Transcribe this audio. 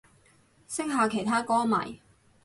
識下其他歌迷